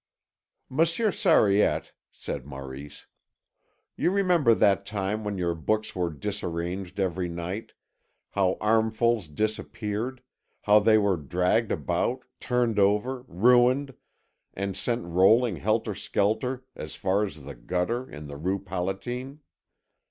"Monsieur Sariette," said Maurice, "you remember that time when your books were disarranged every night, how armfuls disappeared, how they were dragged about, turned over, ruined, and sent rolling helter skelter as far as the gutter in the Rue Palatine.